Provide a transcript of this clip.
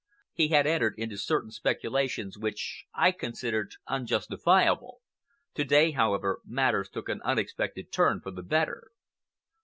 He had entered into certain speculations which I considered unjustifiable. To day, however, matters took an unexpected turn for the better."